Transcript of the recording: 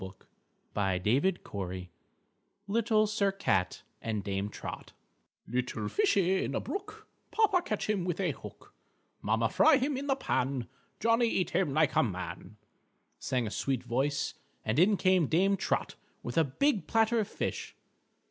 LITTLE SIR CAT Little Sir Cat and Dame Trot "Little fishy in the brook, Papa catch him with a hook, Mamma fry him in the pan, Johnny eat him like a man," sang a sweet voice, and in came Dame Trot with a big platter of fish.